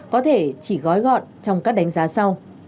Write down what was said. có thể chỉ gói gọn trong các đánh giá sau